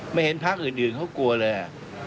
ไม่เห็นภาคอื่นเขากลัวเลย